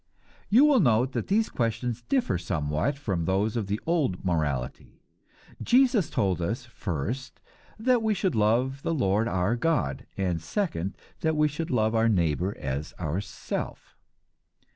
You will note that these questions differ somewhat from those of the old morality. Jesus told us, first, that we should love the Lord our God, and, second, that we should love our neighbor as ourself.